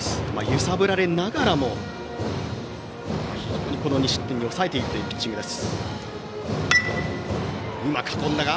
揺さぶられながらも２失点に抑えているというピッチングです。